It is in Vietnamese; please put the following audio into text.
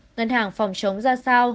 ngân hàng phòng chống ra sao